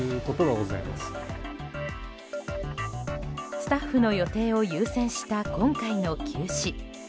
スタッフの予定を優先した今回の休止。